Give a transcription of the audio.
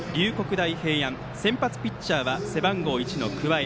大平安、先発ピッチャーは背番号１の桑江。